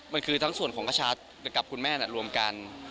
มันคือทั้งส่วนของกระชัดกับคุณแม่รวมกัน